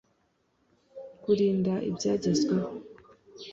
kurinda ibyagezweho